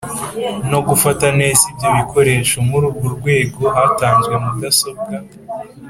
no gufata neza ibyo bikoresho Muri urwo rwego hatanzwe mudasobwa